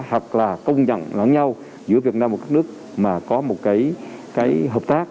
hoặc là công nhận lẫn nhau giữa việt nam và các nước mà có một cái hợp tác